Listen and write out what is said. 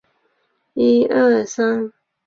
现在有了房子